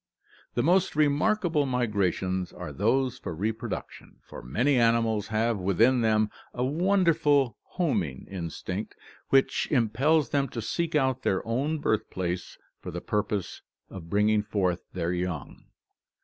The most remarkable migrations are those for reproduction, for many animals have within them a wonderful homing instinct which impels them to seek out their own birthplace for the purpose of bringing forth their young.